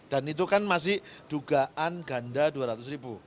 dan itu kan masih dugaan ganda dua ratus ribu